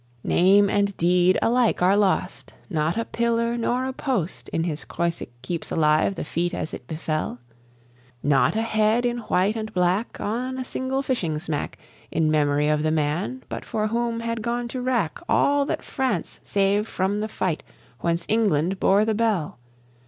Name and deed alike are lost: Not a pillar nor a post In his Croisic keeps alive the feat as it befell; Not a head in white and black On a single fishing smack, In memory of the man but for whom had gone to wrack All that France saved from the fight whence England bore the bell.